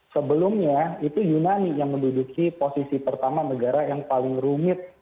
sebelumnya itu yunani yang menduduki posisi pertama negara yang paling rumit